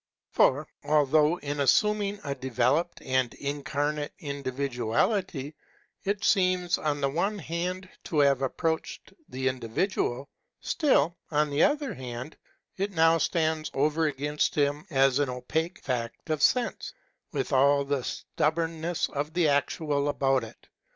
For although, in assuming a developed and incarnate individu ality, it seems on the one hand to have approached the individual, still, on the other hand, it now stands over against him as an opaque fact of sense, with all the stubbornness of the actual about it.